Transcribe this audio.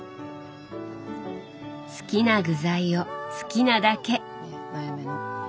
好きな具材を好きなだけ。